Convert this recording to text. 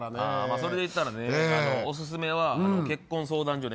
それで言ったらオススメは結婚相談所ね。